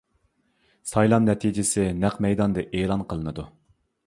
سايلام نەتىجىسى نەق مەيداندا ئېلان قىلىنىدۇ.